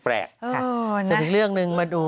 ค่ะเสร็จเรื่องหนึ่งมาดู